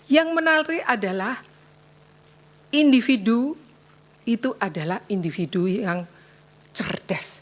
yang menarik adalah individu itu adalah individu yang cerdas